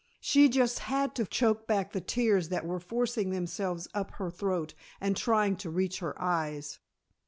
She just had to choke back the tears that were forcing themselves up her throat and trying to reach her eyes.